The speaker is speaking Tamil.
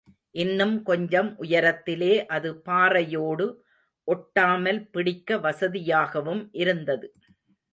இன்னும் கொஞ்சம் உயரத்திலே அது பாறையோடு ஒட்டாமல் பிடிக்க வசதி யாகவும் இருந்தது.